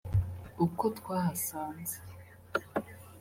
uko twahasanze